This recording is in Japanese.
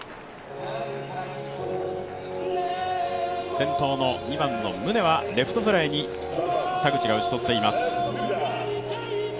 先頭の２番の宗はレフトフライに田口が打ち取っています。